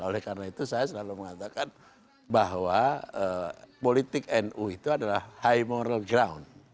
oleh karena itu saya selalu mengatakan bahwa politik nu itu adalah high moral ground